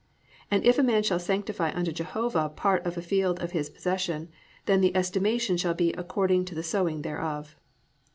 . and if a man shall sanctify unto Jehovah part of a field of his possession, then the estimation shall be according to the sowing thereof."